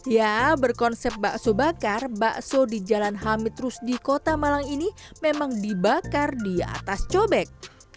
ya berkonsep bakso bakar bakso di jalan hamid rusdi kota malang ini memang dibakar di atas cobek